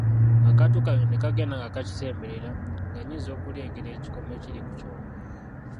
Akaato kange ne kagenda nga kakisemberera; nga nnyinza okulengera ekikomo ekiri ku kyombo.